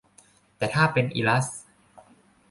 แต่ถ้าเป็นอิลัส